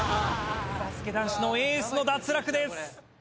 バスケ男子のエースの脱落です。